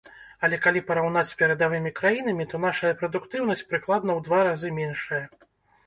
Але калі параўнаць з перадавымі краінамі, то нашая прадуктыўнасць прыкладна ў два разы меншая.